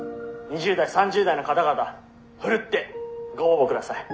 ２０代３０代の方々ふるってご応募ください」。